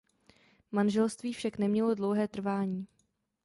Manželství však nemělo dlouhé trvání.